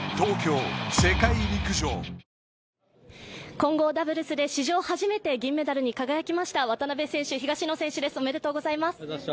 混合ダブルスで史上初めて銀メダルに輝きました渡辺選手、東野選手です、おめでとうございます。